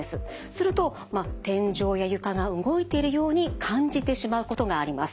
すると天井や床が動いているように感じてしまうことがあります。